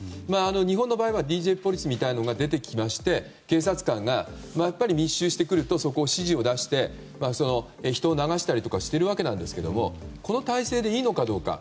日本の場合はＤＪポリスみたいなものが出てきまして警察官が、密集してくるとそこに指示を出して人を流したりしているわけですがこの態勢でいいのかどうか。